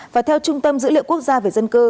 và theo trung tâm dữ liệu quốc gia về dân cư